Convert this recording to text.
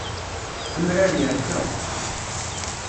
Amrar yerka.